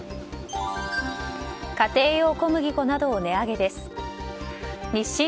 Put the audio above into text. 家庭用小麦粉などを値上げです。